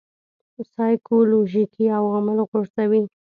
سایکولوژیکي عوامل غورځوي.